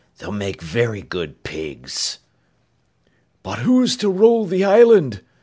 "They'll make very good pigs!" "But who's to rule the island?"